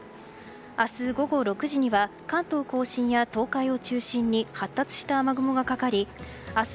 明日午後６時には関東・甲信や東海を中心に発達した雨雲がかかり明日